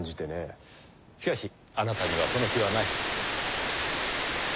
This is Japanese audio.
しかしあなたにはその気はない。